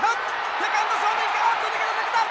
セカンド正面あっと抜けた抜けた！